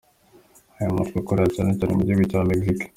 Uyu mutwe ukorera cyane cyane mu gihugu cya Mexique.